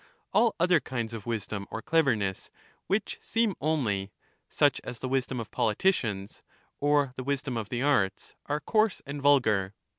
All other kinds of wisdom or cleverness, which seem only, such as the wisdom of politicians, or the wisdom of the arts, are coarse and vulgar.